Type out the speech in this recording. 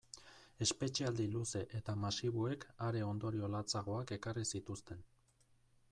Espetxealdi luze eta masiboek are ondorio latzagoak ekarri zituzten.